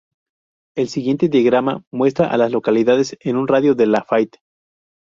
El siguiente diagrama muestra a las localidades en un radio de de Faith.